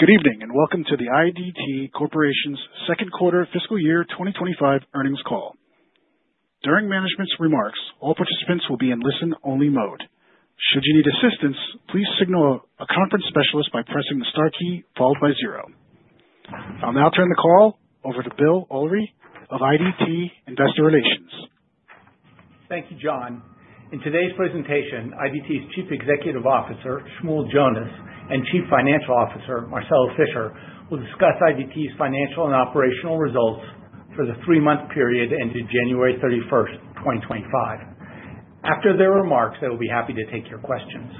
Good evening and welcome to the IDT Corporation's Second Quarter Fiscal Year 2025 Earnings Call. During management's remarks, all participants will be in listen-only mode. Should you need assistance, please signal a conference specialist by pressing the star key followed by zero. I'll now turn the call over to Bill Ulrey of IDT Investor Relations. Thank you, John. In today's presentation, IDT's Chief Executive Officer Shmuel Jonas and Chief Financial Officer Marcelo Fischer will discuss IDT's financial and operational results for the three-month period ended January 31, 2025. After their remarks, they will be happy to take your questions.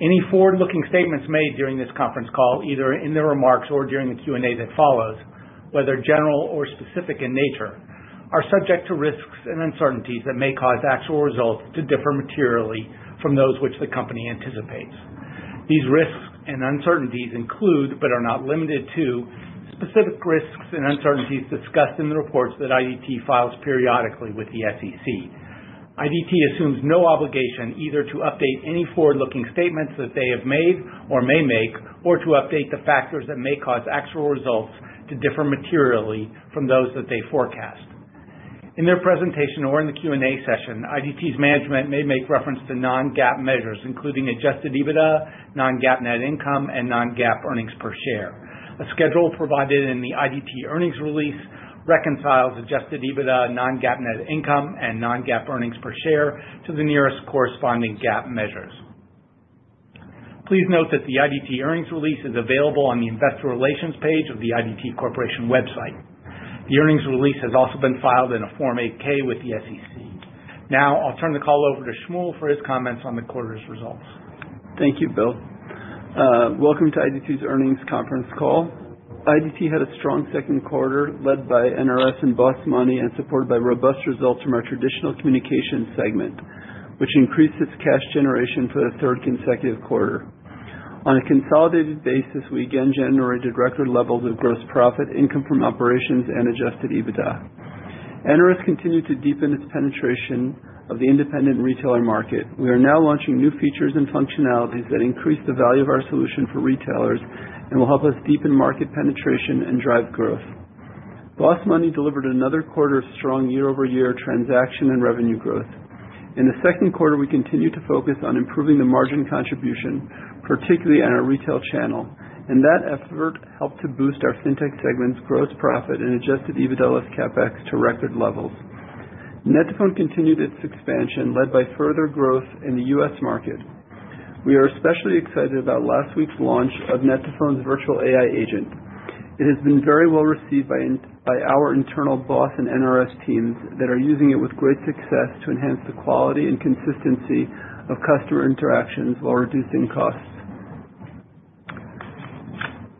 Any forward-looking statements made during this conference call, either in the remarks or during the Q&A that follows, whether general or specific in nature, are subject to risks and uncertainties that may cause actual results to differ materially from those which the company anticipates. These risks and uncertainties include, but are not limited to, specific risks and uncertainties discussed in the reports that IDT files periodically with the SEC. IDT assumes no obligation either to update any forward-looking statements that they have made or may make, or to update the factors that may cause actual results to differ materially from those that they forecast. In their presentation or in the Q&A session, IDT's management may make reference to non-GAAP measures, including adjusted EBITDA, non-GAAP net income, and non-GAAP earnings per share. A schedule provided in the IDT earnings release reconciles adjusted EBITDA, non-GAAP net income, and non-GAAP earnings per share to the nearest corresponding GAAP measures. Please note that the IDT earnings release is available on the Investor Relations page of the IDT Corporation website. The earnings release has also been filed in a Form 8K with the SEC. Now, I'll turn the call over to Shmuel for his comments on the quarter's results. Thank you, Bill. Welcome to IDT's earnings conference call. IDT had a strong second quarter led by NRS and Boss Money and supported by robust results from our traditional communications segment, which increased its cash generation for the third consecutive quarter. On a consolidated basis, we again generated record levels of gross profit, income from operations, and adjusted EBITDA. NRS continued to deepen its penetration of the independent retailer market. We are now launching new features and functionalities that increase the value of our solution for retailers and will help us deepen market penetration and drive growth. Boss Money delivered another quarter of strong year-over-year transaction and revenue growth. In the second quarter, we continued to focus on improving the margin contribution, particularly on our retail channel, and that effort helped to boost our fintech segment's gross profit and adjusted EBITDA plus CapEx to record levels. net2phone continued its expansion, led by further growth in the U.S. market. We are especially excited about last week's launch of net2phone's Virtual AI Agent. It has been very well received by our internal BOSS and NRS teams that are using it with great success to enhance the quality and consistency of customer interactions while reducing costs.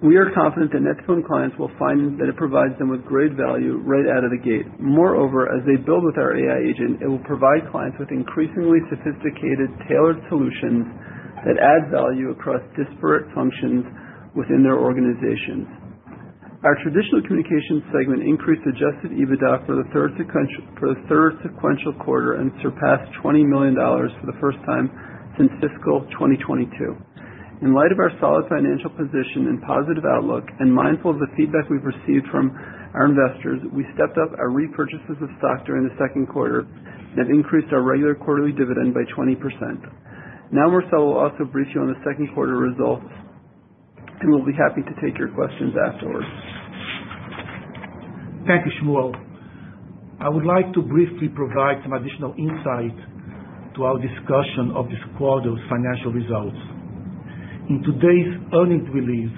We are confident that net2phone clients will find that it provides them with great value right out of the gate. Moreover, as they build with our AI agent, it will provide clients with increasingly sophisticated, tailored solutions that add value across disparate functions within their organizations. Our traditional communications segment increased adjusted EBITDA for the third sequential quarter and surpassed $20 million for the first time since fiscal 2022. In light of our solid financial position and positive outlook, and mindful of the feedback we've received from our investors, we stepped up our repurchases of stock during the second quarter and have increased our regular quarterly dividend by 20%. Now, Marcelo will also brief you on the second quarter results, and we'll be happy to take your questions afterwards. Thank you, Shmuel. I would like to briefly provide some additional insight to our discussion of this quarter's financial results. In today's earnings release,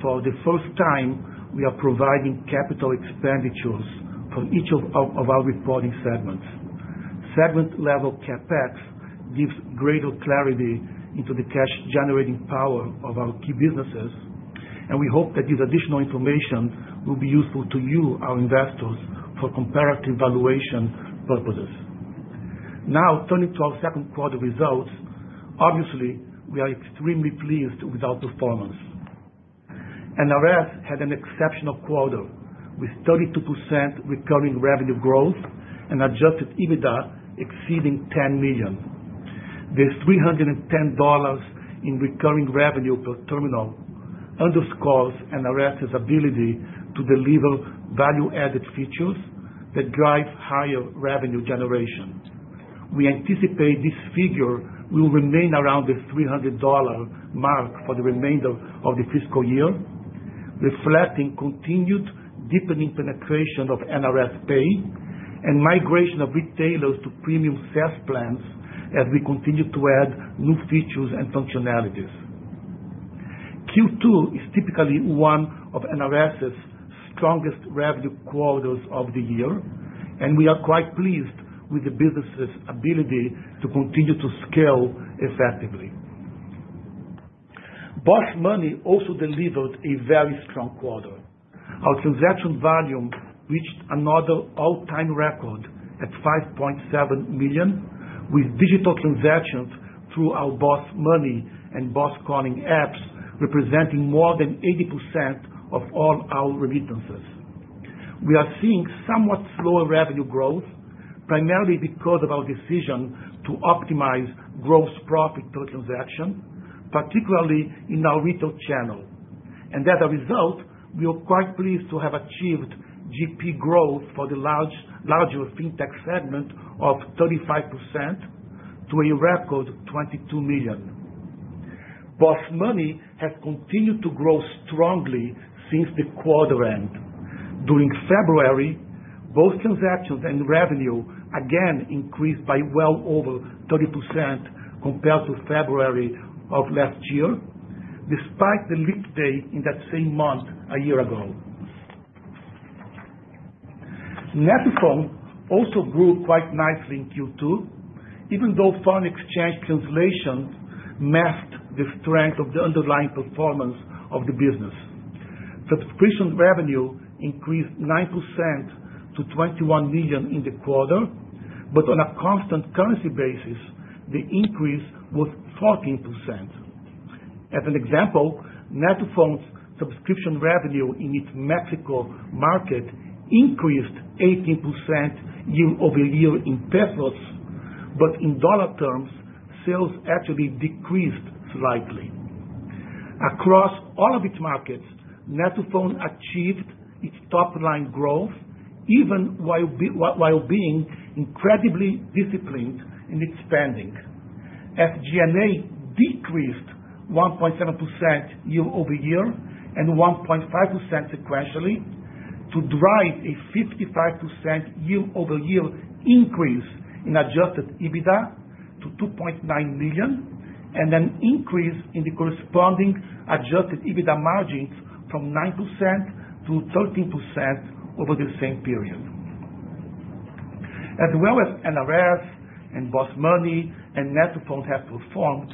for the first time, we are providing capital expenditures for each of our reporting segments. Segment-level CapEx gives greater clarity into the cash-generating power of our key businesses, and we hope that this additional information will be useful to you, our investors, for comparative valuation purposes. Now, turning to our second quarter results, obviously, we are extremely pleased with our performance. NRS had an exceptional quarter with 32% recurring revenue growth and adjusted EBITDA exceeding $10 million. This $310 in recurring revenue per terminal underscores NRS's ability to deliver value-added features that drive higher revenue generation. We anticipate this figure will remain around the $300 mark for the remainder of the fiscal year, reflecting continued deepening penetration of NRS Pay and migration of retailers to premium SaaS plans as we continue to add new features and functionalities. Q2 is typically one of NRS's strongest revenue quarters of the year, and we are quite pleased with the business's ability to continue to scale effectively. Boss Money also delivered a very strong quarter. Our transaction volume reached another all-time record at 5.7 million, with digital transactions through our Boss Money and Boss Calling apps representing more than 80% of all our remittances. We are seeing somewhat slower revenue growth, primarily because of our decision to optimize gross profit per transaction, particularly in our retail channel. As a result, we are quite pleased to have achieved GP growth for the larger fintech segment of 35% to a record $22 million. Boss Money has continued to grow strongly since the quarter end. During February, both transactions and revenue again increased by well over 30% compared to February of last year, despite the leap day in that same month a year ago. net2phone also grew quite nicely in Q2, even though foreign exchange translations masked the strength of the underlying performance of the business. Subscription revenue increased 9% to $21 million in the quarter, but on a constant currency basis, the increase was 14%. As an example, net2phone's subscription revenue in its Mexico market increased 18% year over year in Mexican Pesos, but in dollar terms, sales actually decreased slightly. Across all of its markets, net2phone achieved its top-line growth, even while being incredibly disciplined in its spending. FG&A decreased 1.7% year over year and 1.5% sequentially to drive a 55% year-over-year increase in adjusted EBITDA to $2.9 million, and an increase in the corresponding adjusted EBITDA margins from 9% to 13% over the same period. As well as NRS and Boss Money and net2phone have performed,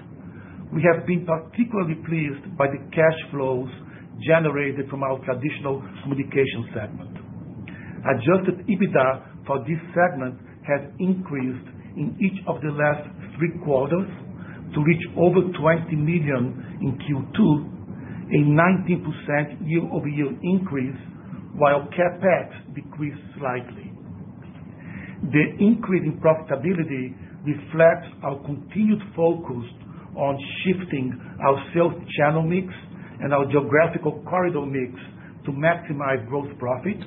we have been particularly pleased by the cash flows generated from our traditional communications segment. Adjusted EBITDA for this segment has increased in each of the last three quarters to reach over $20 million in Q2, a 19% year-over-year increase, while CapEx decreased slightly. The increase in profitability reflects our continued focus on shifting our sales channel mix and our geographical corridor mix to maximize gross profit,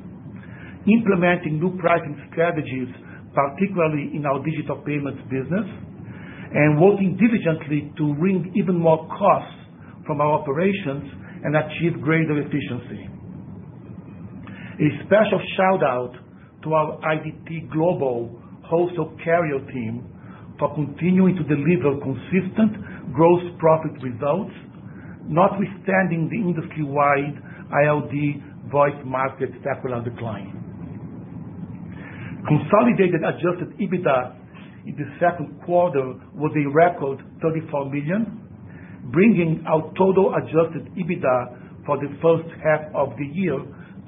implementing new pricing strategies, particularly in our digital payments business, and working diligently to wring even more costs from our operations and achieve greater efficiency. A special shout-out to our IDT Global hostile carrier team for continuing to deliver consistent gross profit results, notwithstanding the industry-wide ILD voice market secular decline. Consolidated adjusted EBITDA in the second quarter was a record $34 million, bringing our total adjusted EBITDA for the first half of the year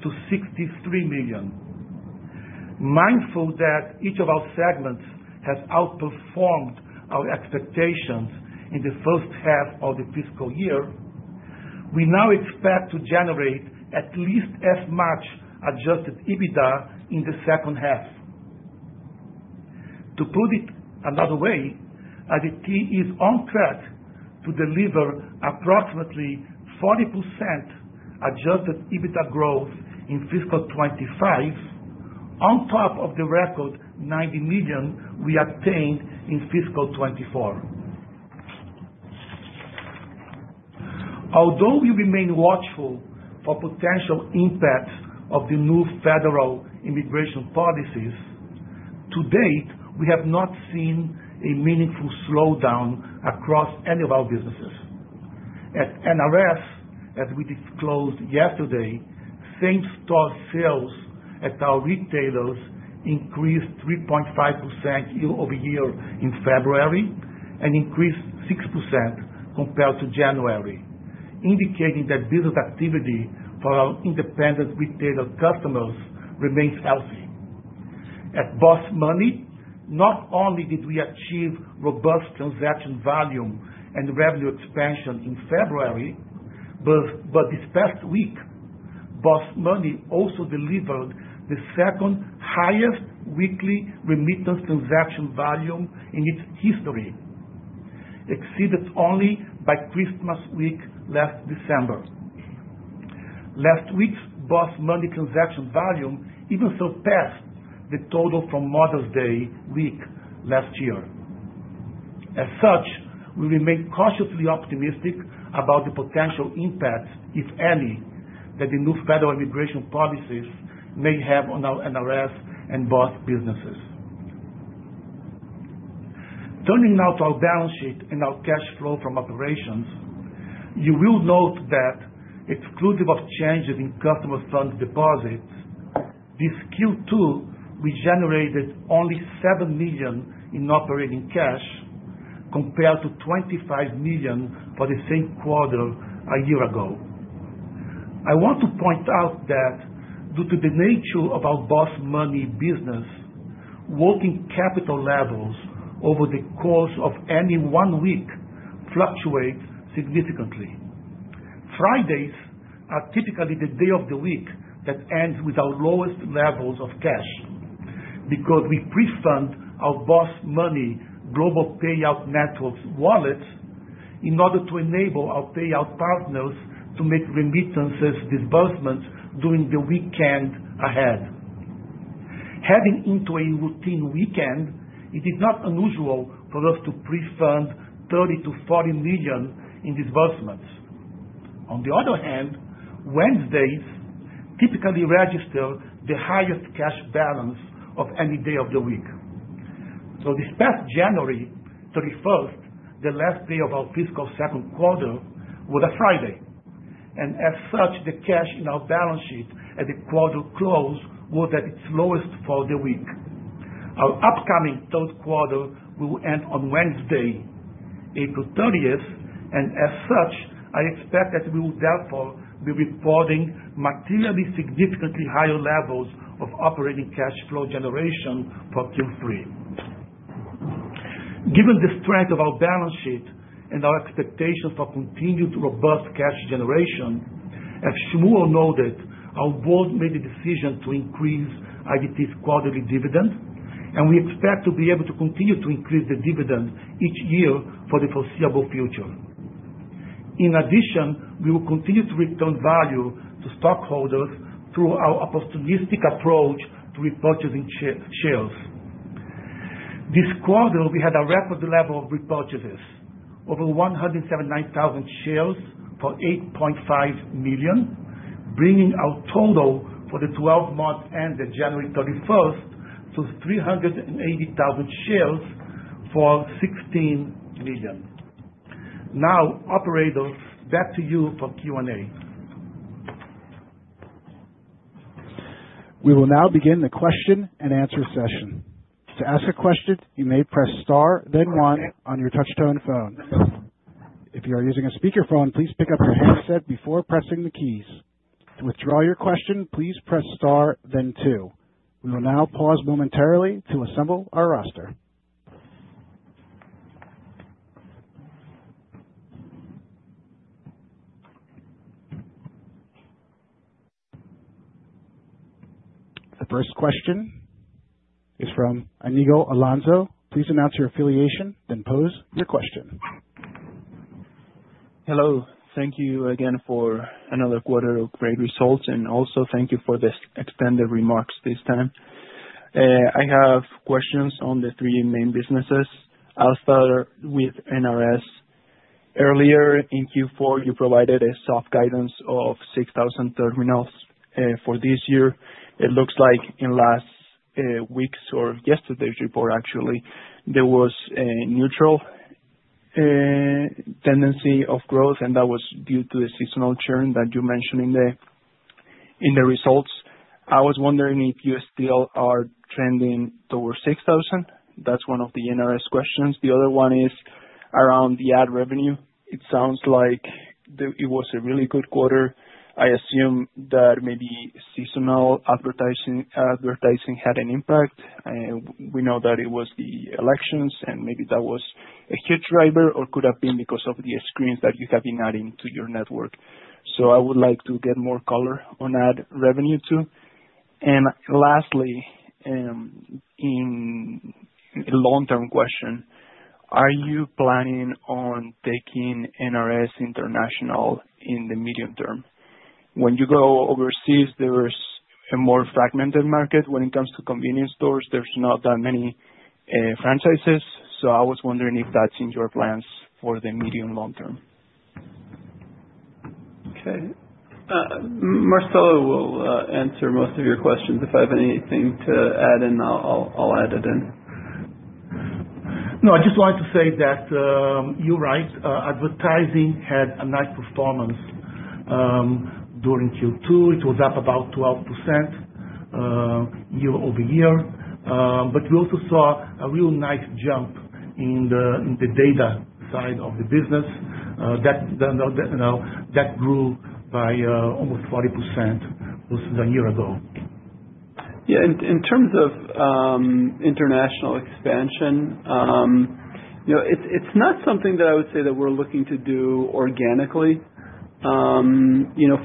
to $63 million. Mindful that each of our segments has outperformed our expectations in the first half of the fiscal year, we now expect to generate at least as much adjusted EBITDA in the second half. To put it another way, IDT is on track to deliver approximately 40% adjusted EBITDA growth in fiscal 2025, on top of the record $90 million we obtained in fiscal 2024. Although we remain watchful for potential impact of the new federal immigration policies, to date, we have not seen a meaningful slowdown across any of our businesses. At NRS, as we disclosed yesterday, same-store sales at our retailers increased 3.5% year-over-year in February and increased 6% compared to January, indicating that business activity for our independent retailer customers remains healthy. At Boss Money, not only did we achieve robust transaction volume and revenue expansion in February, but this past week, Boss Money also delivered the second-highest weekly remittance transaction volume in its history, exceeded only by Christmas week last December. Last week's Boss Money transaction volume even surpassed the total from Mother's Day week last year. As such, we remain cautiously optimistic about the potential impact, if any, that the new federal immigration policies may have on our NRS and Boss businesses. Turning now to our balance sheet and our cash flow from operations, you will note that exclusive of changes in customer fund deposits, this Q2 we generated only $7 million in operating cash compared to $25 million for the same quarter a year ago. I want to point out that due to the nature of our Boss Money business, working capital levels over the course of any one week fluctuate significantly. Fridays are typically the day of the week that ends with our lowest levels of cash because we pre-fund our Boss Money Global Payout Networks wallet in order to enable our payout partners to make remittances disbursements during the weekend ahead. Heading into a routine weekend, it is not unusual for us to pre-fund $30 million-$40 million in disbursements. On the other hand, Wednesdays typically register the highest cash balance of any day of the week. This past January 31st, the last day of our fiscal second quarter, was a Friday. As such, the cash in our balance sheet at the quarter close was at its lowest for the week. Our upcoming third quarter will end on Wednesday, April 30th, and as such, I expect that we will therefore be reporting materially significantly higher levels of operating cash flow generation for Q3. Given the strength of our balance sheet and our expectations for continued robust cash generation, as Shmuel noted, our board made the decision to increase IDT's quarterly dividend, and we expect to be able to continue to increase the dividend each year for the foreseeable future. In addition, we will continue to return value to stockholders through our opportunistic approach to repurchasing shares. This quarter, we had a record level of repurchases, over 179,000 shares for $8.5 million, bringing our total for the 12-month end, January 31st, to 380,000 shares for $16 million. Now, operators, back to you for Q&A. We will now begin the question and answer session. To ask a question, you may press star, then one on your touch-tone phone. If you are using a speakerphone, please pick up your headset before pressing the keys. To withdraw your question, please press star, then two. We will now pause momentarily to assemble our roster. The first question is from Anigo Alonzo. Please announce your affiliation, then pose your question. Hello. Thank you again for another quarter of great results, and also thank you for the extended remarks this time. I have questions on the three main businesses. I'll start with NRS. Earlier in Q4, you provided a soft guidance of 6,000 terminals for this year. It looks like in last week's or yesterday's report, actually, there was a neutral tendency of growth, and that was due to the seasonal churn that you mentioned in the results. I was wondering if you still are trending towards 6,000. That's one of the NRS questions. The other one is around the ad revenue. It sounds like it was a really good quarter. I assume that maybe seasonal advertising had an impact. We know that it was the elections, and maybe that was a huge driver or could have been because of the screens that you have been adding to your network. I would like to get more color on ad revenue too. Lastly, in a long-term question, are you planning on taking NRS International in the medium term? When you go overseas, there's a more fragmented market. When it comes to convenience stores, there's not that many franchises. I was wondering if that's in your plans for the medium-long term. Okay. Marcelo will answer most of your questions. If I have anything to add in, I'll add it in. No, I just wanted to say that you're right. Advertising had a nice performance during Q2. It was up about 12% year-over-year. We also saw a real nice jump in the data side of the business that grew by almost 40% versus a year ago. Yeah. In terms of international expansion, it's not something that I would say that we're looking to do organically.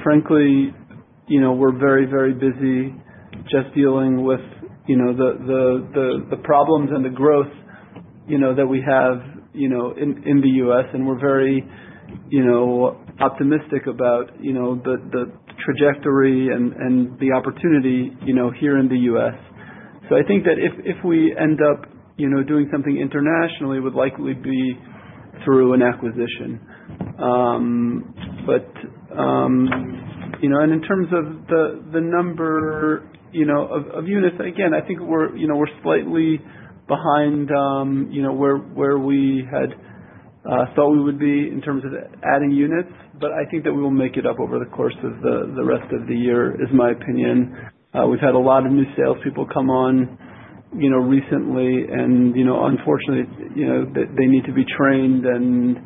Frankly, we're very, very busy just dealing with the problems and the growth that we have in the U.S., and we're very optimistic about the trajectory and the opportunity here in the U.S. I think that if we end up doing something internationally, it would likely be through an acquisition. In terms of the number of units, again, I think we're slightly behind where we had thought we would be in terms of adding units, but I think that we will make it up over the course of the rest of the year is my opinion. We've had a lot of new salespeople come on recently, and unfortunately, they need to be trained and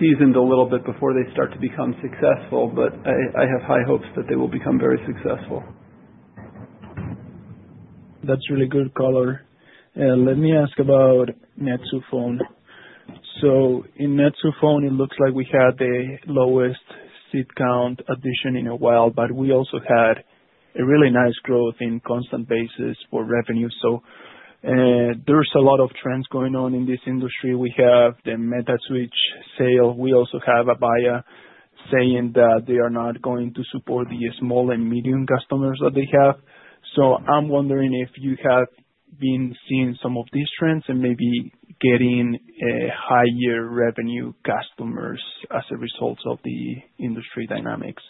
seasoned a little bit before they start to become successful, but I have high hopes that they will become very successful. That's really good color. Let me ask about net2phone. In net2phone, it looks like we had the lowest seat count addition in a while, but we also had a really nice growth on a constant basis for revenue. There are a lot of trends going on in this industry. We have the Metaswitch sale. We also have Avaya saying that they are not going to support the small and medium customers that they have. I am wondering if you have been seeing some of these trends and maybe getting higher revenue customers as a result of the industry dynamics.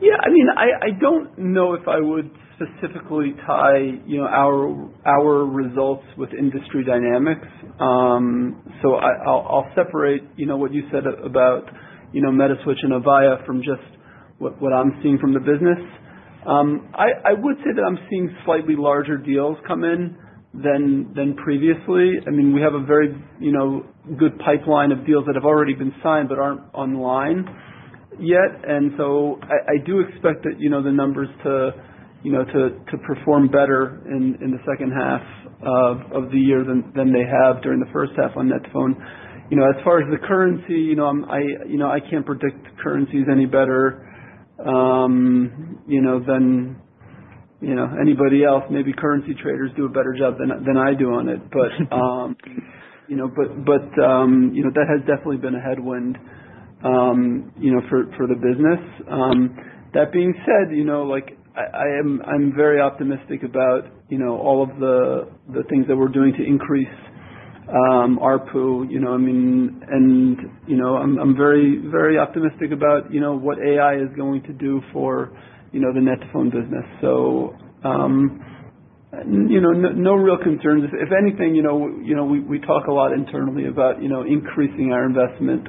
Yeah. I mean, I don't know if I would specifically tie our results with industry dynamics. I'll separate what you said about Metaswitch and Avaya from just what I'm seeing from the business. I would say that I'm seeing slightly larger deals come in than previously. I mean, we have a very good pipeline of deals that have already been signed but aren't online yet. I do expect that the numbers to perform better in the second half of the year than they have during the first half on net2phone. As far as the currency, I can't predict currencies any better than anybody else. Maybe currency traders do a better job than I do on it, but that has definitely been a headwind for the business. That being said, I'm very optimistic about all of the things that we're doing to increase our pool. I mean, and I'm very, very optimistic about what AI is going to do for the net2phone business. So no real concerns. If anything, we talk a lot internally about increasing our investment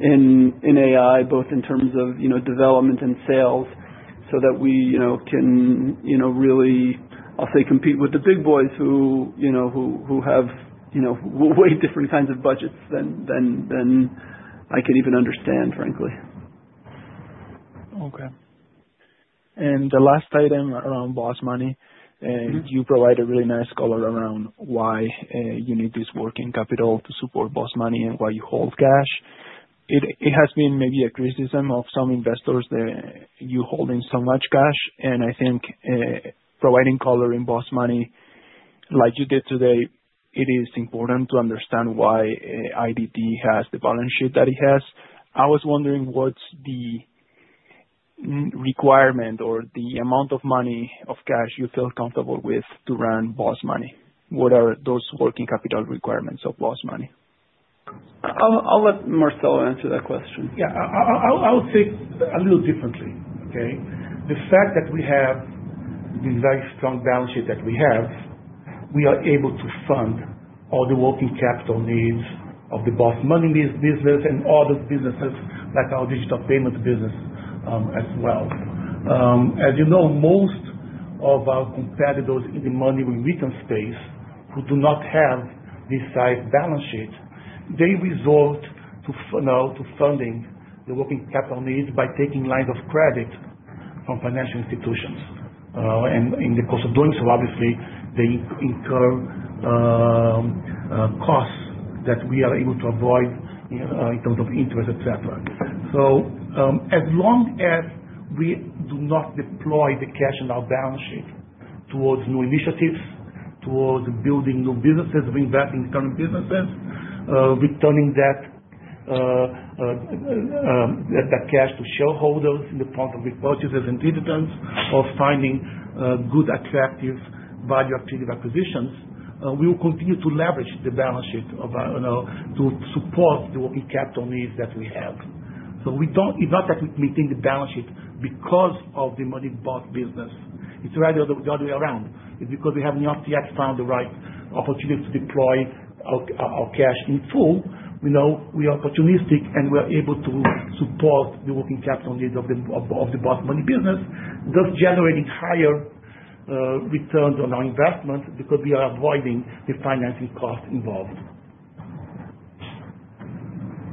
in AI, both in terms of development and sales, so that we can really, I'll say, compete with the big boys who have way different kinds of budgets than I can even understand, frankly. Okay. The last item around Boss Money, you provided really nice color around why you need this working capital to support Boss Money and why you hold cash. It has been maybe a criticism of some investors that you're holding so much cash. I think providing color in Boss Money like you did today, it is important to understand why IDT has the balance sheet that it has. I was wondering what's the requirement or the amount of money of cash you feel comfortable with to run Boss Money? What are those working capital requirements of Boss Money? I'll let Marcelo answer that question. Yeah. I'll say a little differently, okay? The fact that we have this very strong balance sheet that we have, we are able to fund all the working capital needs of the Boss Money business and all those businesses like our digital payments business as well. As you know, most of our competitors in the money remittance space who do not have this size balance sheet, they resort now to funding the working capital needs by taking lines of credit from financial institutions. In the course of doing so, obviously, they incur costs that we are able to avoid in terms of interest, etc. As long as we do not deploy the cash in our balance sheet towards new initiatives, towards building new businesses, reinvesting in current businesses, returning that cash to shareholders in the form of repurchases and dividends, or finding good, attractive, value-attractive acquisitions, we will continue to leverage the balance sheet to support the working capital needs that we have. It is not that we maintain the balance sheet because of the Boss Money business. It is rather the other way around. It is because we have not yet found the right opportunity to deploy our cash in full. We are opportunistic, and we are able to support the working capital needs of the Boss Money business, thus generating higher returns on our investment because we are avoiding the financing costs involved.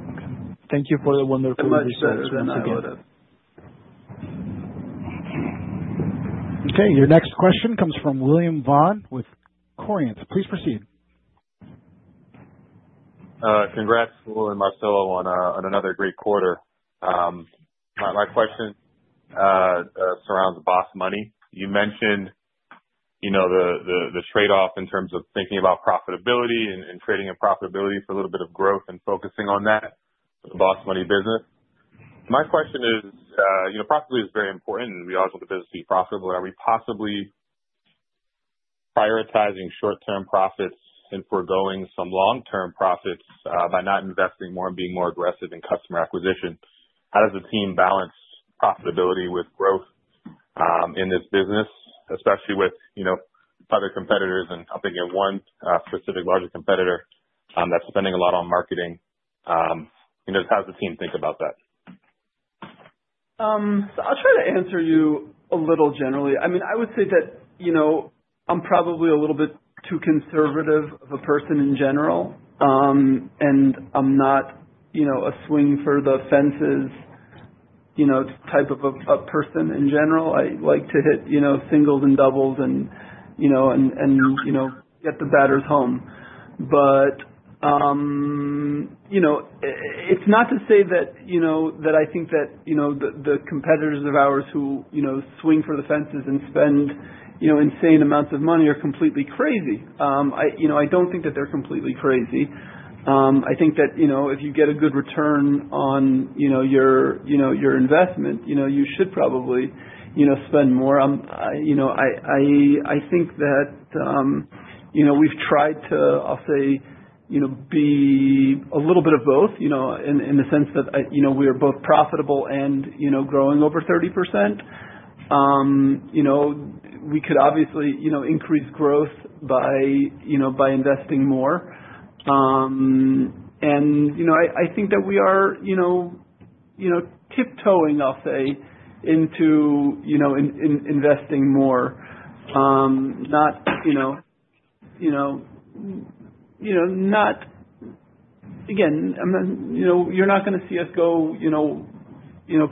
Okay. Thank you for the wonderful research once again. Thank you. Okay. Your next question comes from William Vaughan with Corians. Please proceed. Congrats, Shmuel and Marcelo, on another great quarter. My question surrounds Boss Money. You mentioned the trade-off in terms of thinking about profitability and trading in profitability for a little bit of growth and focusing on that, the Boss Money business. My question is, profitability is very important, and we always want the business to be profitable. Are we possibly prioritizing short-term profits and foregoing some long-term profits by not investing more and being more aggressive in customer acquisition? How does the team balance profitability with growth in this business, especially with other competitors? I'm thinking of one specific larger competitor that's spending a lot on marketing. How does the team think about that? I'll try to answer you a little generally. I mean, I would say that I'm probably a little bit too conservative of a person in general, and I'm not a swing-for-the-fences type of a person in general. I like to hit singles and doubles and get the batters home. It's not to say that I think that the competitors of ours who swing for the fences and spend insane amounts of money are completely crazy. I don't think that they're completely crazy. I think that if you get a good return on your investment, you should probably spend more. I think that we've tried to, I'll say, be a little bit of both in the sense that we are both profitable and growing over 30%. We could obviously increase growth by investing more. I think that we are tiptoeing, I'll say, into investing more. Again, you're not going to see us go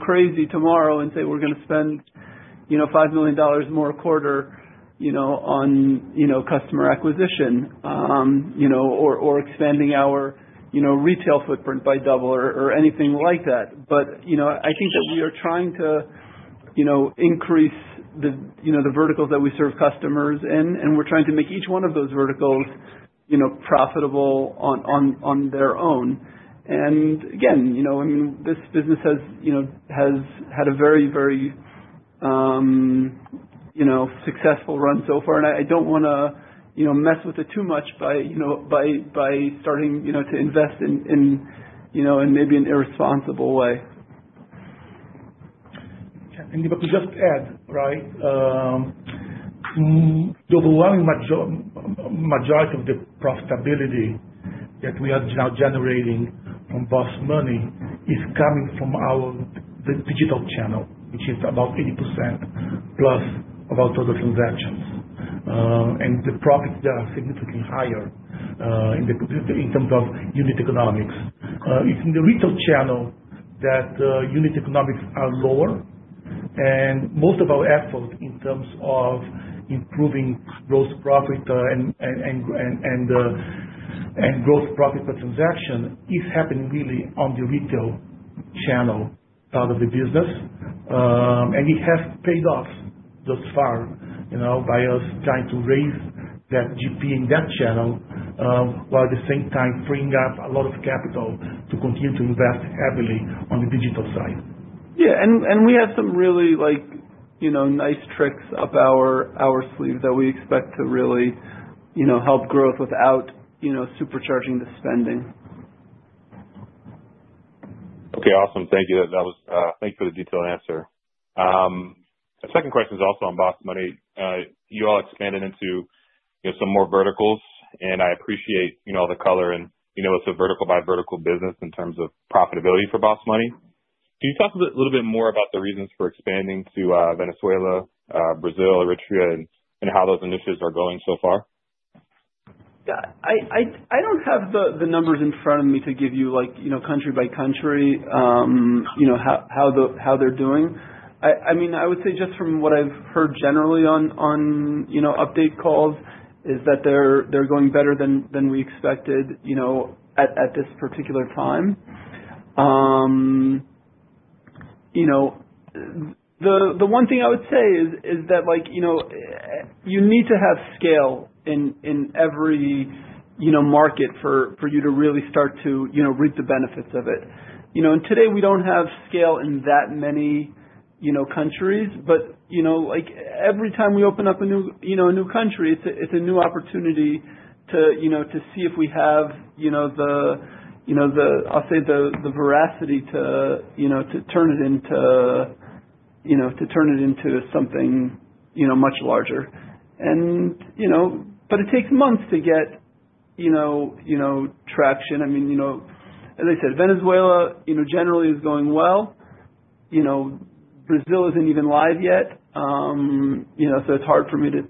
crazy tomorrow and say we're going to spend $5 million more a quarter on customer acquisition or expanding our retail footprint by double or anything like that. I think that we are trying to increase the verticals that we serve customers in, and we're trying to make each one of those verticals profitable on their own. I mean, this business has had a very, very successful run so far, and I don't want to mess with it too much by starting to invest in maybe an irresponsible way. Yeah. If I can just add, the overwhelming majority of the profitability that we are now generating from Boss Money is coming from our digital channel, which is about 80%+ of our total transactions. The profits there are significantly higher in terms of unit economics. It is in the retail channel that unit economics are lower, and most of our effort in terms of improving gross profit and gross profit per transaction is happening really on the retail channel part of the business. It has paid off thus far by us trying to raise that GP in that channel while at the same time freeing up a lot of capital to continue to invest heavily on the digital side. Yeah. We have some really nice tricks up our sleeve that we expect to really help growth without supercharging the spending. Okay. Awesome. Thank you. Thank you for the detailed answer. The second question is also on Boss Money. You all expanded into some more verticals, and I appreciate the color. It is a vertical-by-vertical business in terms of profitability for Boss Money. Can you talk a little bit more about the reasons for expanding to Venezuela, Brazil, Eritrea, and how those initiatives are going so far? Yeah. I don't have the numbers in front of me to give you country by country how they're doing. I mean, I would say just from what I've heard generally on update calls is that they're going better than we expected at this particular time. The one thing I would say is that you need to have scale in every market for you to really start to reap the benefits of it. Today, we don't have scale in that many countries, but every time we open up a new country, it's a new opportunity to see if we have the, I'll say, the veracity to turn it into something much larger. It takes months to get traction. I mean, as I said, Venezuela generally is going well. Brazil isn't even live yet, so it's hard for me to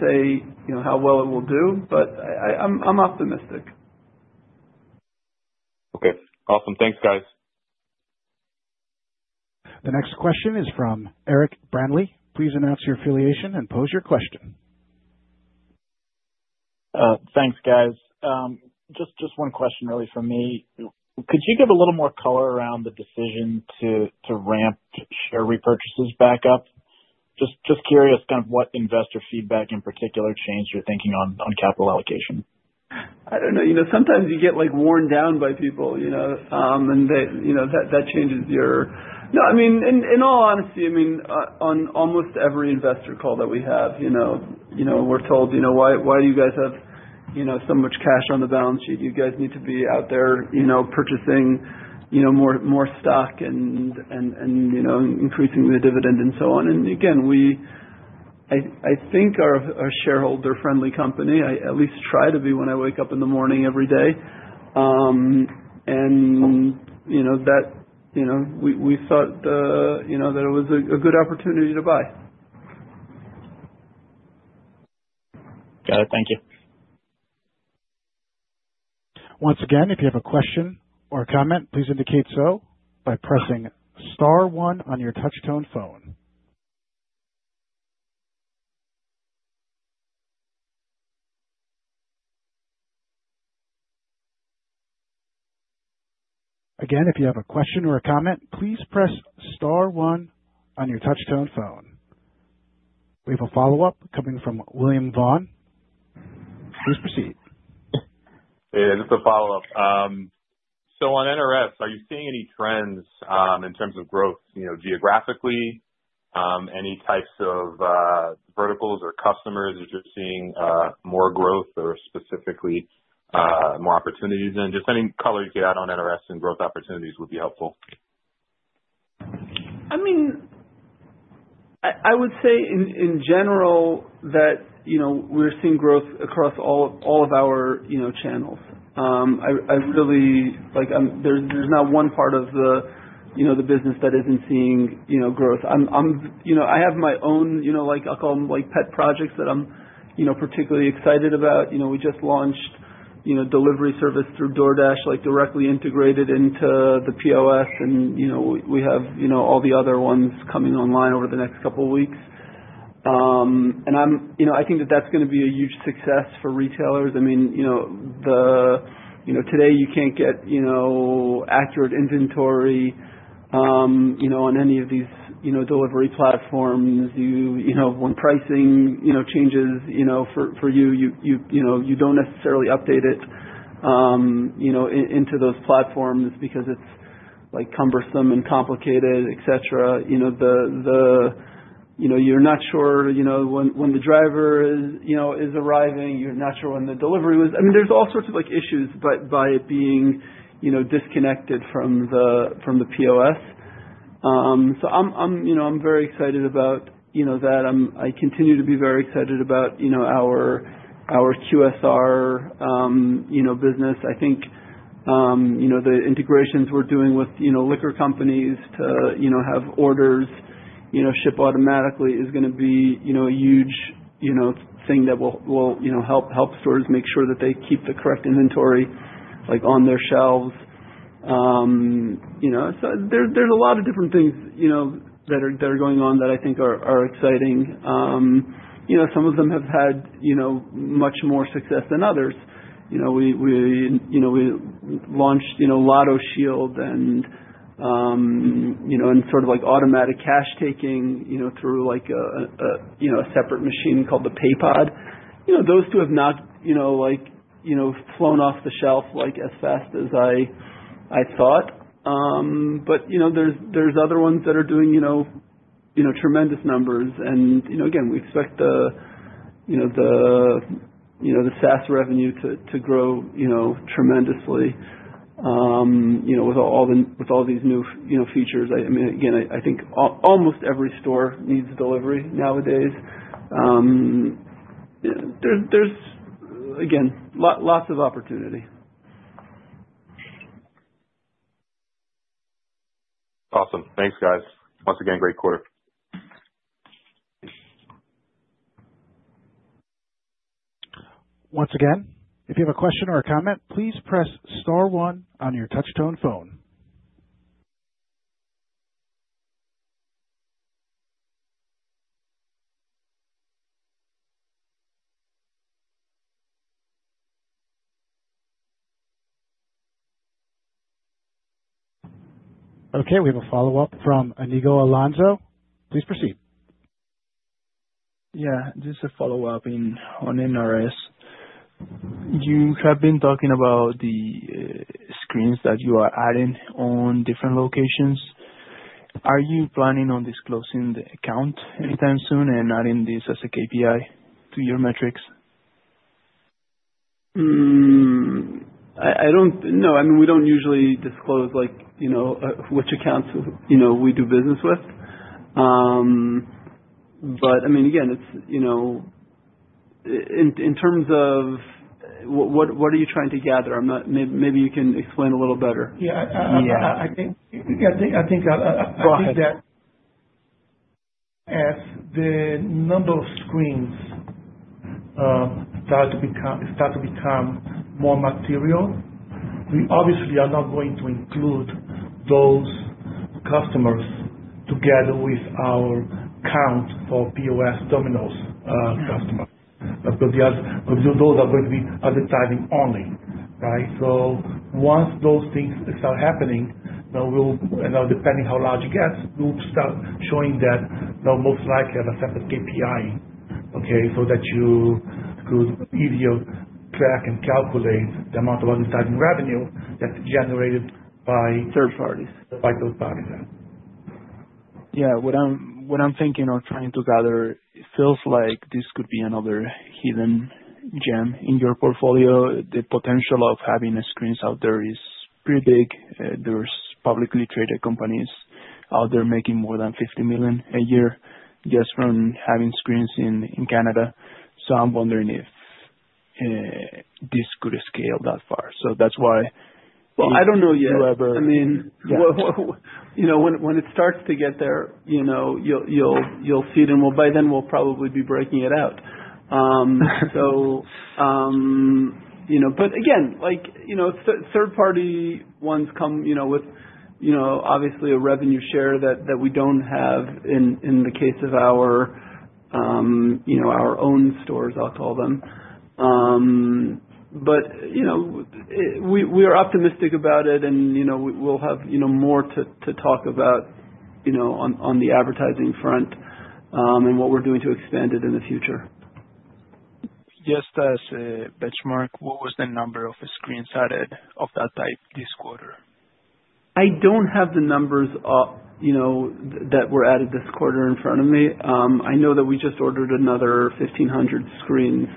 say how well it will do, but I'm optimistic. Okay. Awesome. Thanks, guys. The next question is from Eric Brantley. Please announce your affiliation and pose your question. Thanks, guys. Just one question really from me. Could you give a little more color around the decision to ramp share repurchases back up? Just curious kind of what investor feedback in particular changed your thinking on capital allocation. I don't know. Sometimes you get worn down by people, and that changes your no, I mean, in all honesty, I mean, on almost every investor call that we have, we're told, "Why do you guys have so much cash on the balance sheet? You guys need to be out there purchasing more stock and increasing the dividend and so on." I think our shareholder-friendly company, I at least try to be when I wake up in the morning every day. We thought that it was a good opportunity to buy. Got it. Thank you. Once again, if you have a question or a comment, please indicate so by pressing Star 1 on your touch-tone phone. Again, if you have a question or a comment, please press Star 1 on your touch-tone phone. We have a follow-up coming from William Vaughan. Please proceed. Hey. Just a follow-up. On NRS, are you seeing any trends in terms of growth geographically? Any types of verticals or customers you're just seeing more growth or specifically more opportunities in? Any color you could add on NRS and growth opportunities would be helpful. I mean, I would say in general that we're seeing growth across all of our channels. I really, there's not one part of the business that isn't seeing growth. I have my own, I'll call them pet projects that I'm particularly excited about. We just launched delivery service through DoorDash directly integrated into the POS, and we have all the other ones coming online over the next couple of weeks. I think that that's going to be a huge success for retailers. I mean, today, you can't get accurate inventory on any of these delivery platforms. When pricing changes for you, you don't necessarily update it into those platforms because it's cumbersome and complicated, etc. You're not sure when the driver is arriving. You're not sure when the delivery was. I mean, there's all sorts of issues by it being disconnected from the POS. I'm very excited about that. I continue to be very excited about our QSR business. I think the integrations we're doing with liquor companies to have orders ship automatically is going to be a huge thing that will help stores make sure that they keep the correct inventory on their shelves. There's a lot of different things that are going on that I think are exciting. Some of them have had much more success than others. We launched Lotto Shield and sort of automatic cash taking through a separate machine called the PayPod. Those two have not flown off the shelf as fast as I thought. There's other ones that are doing tremendous numbers. Again, we expect the SaaS revenue to grow tremendously with all these new features. I mean, again, I think almost every store needs delivery nowadays. There's, again, lots of opportunity. Awesome. Thanks, guys. Once again, great quarter. Once again, if you have a question or a comment, please press Star 1 on your touch-tone phone. Okay. We have a follow-up from Anigo Alonzo. Please proceed. Yeah. Just a follow-up on NRS. You have been talking about the screens that you are adding on different locations. Are you planning on disclosing the account anytime soon and adding this as a KPI to your metrics? I don't know. I mean, we don't usually disclose which accounts we do business with. I mean, again, in terms of what are you trying to gather? Maybe you can explain a little better. Yeah. I think that as the number of screens start to become more material, we obviously are not going to include those customers together with our count for POS, Domino's customers. Those are going to be advertising only, right? Once those things start happening, depending how large it gets, we'll start showing that most likely as a separate KPI, okay, so that you could easier track and calculate the amount of advertising revenue that's generated by. Third parties. By third parties, yeah. Yeah. What I'm thinking or trying to gather, it feels like this could be another hidden gem in your portfolio. The potential of having screens out there is pretty big. There are publicly traded companies out there making more than $50 million a year just from having screens in Canada. I am wondering if this could scale that far. That is why. I don't know yet. I mean, when it starts to get there, you'll see them. By then, we'll probably be breaking it out. Again, third-party ones come with obviously a revenue share that we don't have in the case of our own stores, I'll call them. We are optimistic about it, and we'll have more to talk about on the advertising front and what we're doing to expand it in the future. Just as a benchmark, what was the number of screens added of that type this quarter? I don't have the numbers that were added this quarter in front of me. I know that we just ordered another 1,500 screens,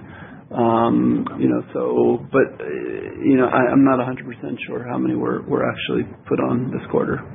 but I'm not 100% sure how many were actually put on this quarter.